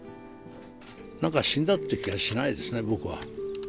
なんか死んだって気がしないですね、僕は。